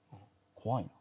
怖いな。